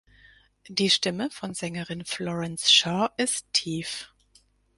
Die Stimme von Sängerin Florence Shaw ist tief.